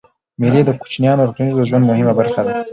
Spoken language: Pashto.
مېلې د کوچنيانو د ټولنیز ژوند مهمه برخه ده.